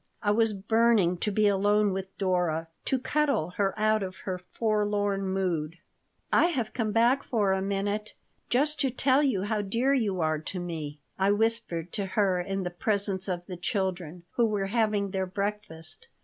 I was burning to be alone with Dora, to cuddle her out of her forlorn mood "I have come back for a minute just to tell you how dear you are to me," I whispered to her in the presence of the children, who were having their breakfast.